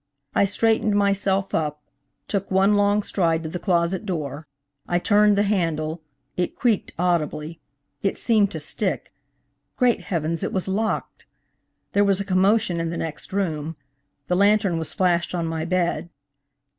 I straightened myself up, took one long stride to the closet door–I turned the handle, it creaked audibly; it seemed to stick–great heavens, it was locked! There was a commotion in the next room; the lantern was flashed on my bed.